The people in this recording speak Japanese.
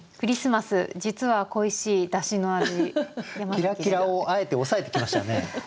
キラキラをあえて抑えてきましたね。